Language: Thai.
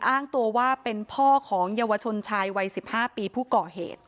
อ้างตัวว่าเป็นพ่อของเยาวชนชายวัย๑๕ปีผู้ก่อเหตุ